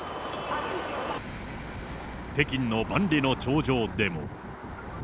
北京の万里の長城でも。